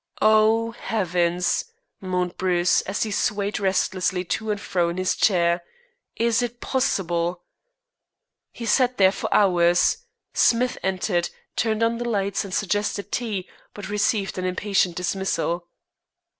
"Oh, heavens!" moaned Bruce, as he swayed restlessly to and fro in his chair, "is it possible?" He sat there for hours. Smith entered, turned on the lights and suggested tea, but received an impatient dismissal.